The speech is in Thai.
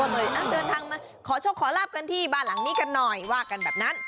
ก็เลยเดินทางมาขอโชคขอลาบกันที่บ้านหลังนี้กันหน่อยว่ากันแบบนั้น